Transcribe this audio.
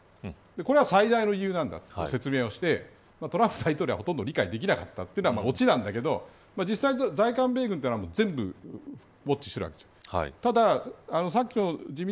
これが最大の理由だと説明をしてトランプ大統領はほとんど理解できなかったっていうのがオチなんだけど実際、在韓米軍というのは全てウォッチしてるわけです。